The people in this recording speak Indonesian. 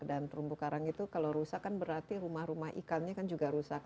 dan terumbu karang itu kalau rusak kan berarti rumah rumah ikannya kan juga rusak